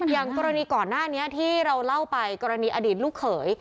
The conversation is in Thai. อย่างกรณีก่อนหน้านี้ที่เราเล่าไปกรณีอดีตลูกเขย